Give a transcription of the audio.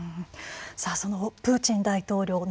さあそのプーチン大統領